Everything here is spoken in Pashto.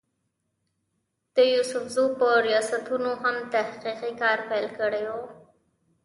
د يوسفزو پۀ رياستونو هم تحقيقي کار پېل کړی وو